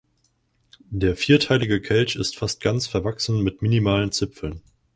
Der vierteilige Kelch ist fast ganz verwachsen mit minimalen Zipfeln.